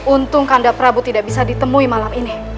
untung kandaprabu tidak bisa ditemui malam ini